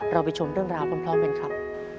ไปชมเรื่องราวพร้อมกันครับ